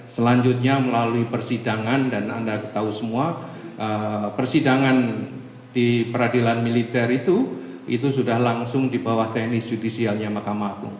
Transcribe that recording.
selanjutnya melalui persidangan dan anda tahu semua persidangan di peradilan militer itu itu sudah langsung di bawah teknis judisialnya mahkamah agung